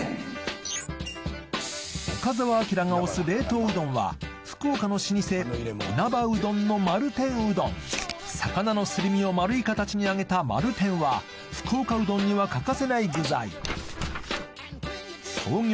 岡澤アキラが推す冷凍うどんは福岡の老舗因幡うどんの丸天うどん魚のすり身を丸い形に揚げた丸天は福岡うどんには欠かせない具材創業